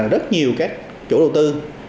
rất nhiều các chủ đầu tư